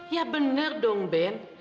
ya bener dong ben